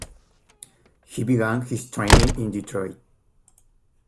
He began his training in Detroit.